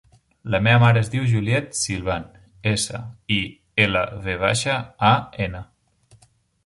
La meva mare es diu Juliette Silvan: essa, i, ela, ve baixa, a, ena.